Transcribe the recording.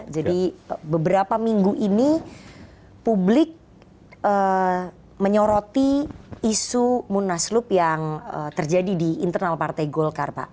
jadi beberapa minggu ini publik menyoroti isu munaslup yang terjadi di internal partai golkar pak